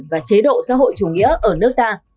và chế độ xã hội chủ nghĩa ở nước ta